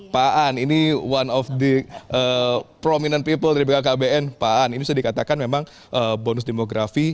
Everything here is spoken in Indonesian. pak an ini one of the prominent people dari bkkbn pak an ini bisa dikatakan memang bonus demografi